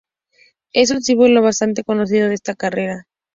Es un símbolo bastante conocido de esta carretera.